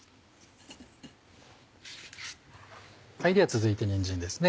続いてにんじんですね。